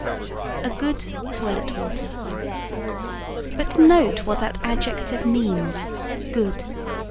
A GOOD TOILET WATER But note what that adjective means "Good."